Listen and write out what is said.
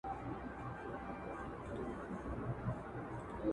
خدایه څه د رنګ دنیا ده له جهانه یمه ستړی؛